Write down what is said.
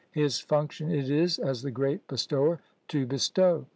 His function it is, as the great Bestower, to bestow.